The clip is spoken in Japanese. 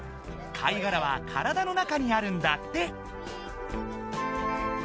貝がらは体の中にあるんだって。